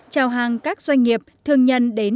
trao hàng các doanh nghiệp thương nhân đến